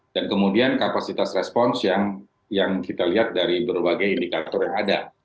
dan kemudian kapasitas respons yang kita lihat dari berbagai indikator yang ada